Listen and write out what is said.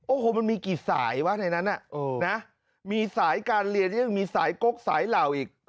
โอ้โหมันมีกี่สายวะในนั้นมีสายการเรียนที่ยังมีสายกกสายเหล่าอีก